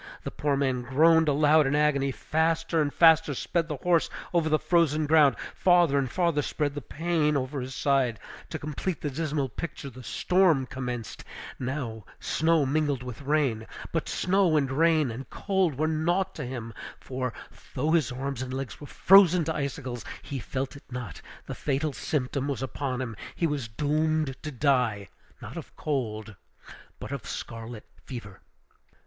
The poor man groaned aloud in agony; faster and faster sped the horse over the frozen ground, farther and farther spread the pain over his side. To complete the dismal picture the storm commenced, snow mingled with rain. But snow, and rain, and cold were naught to him; for, though his arms and legs were frozen to icicles, he felt it not; the fatal symptom was upon him; he was doomed to die, not of cold, but of scarlet fever!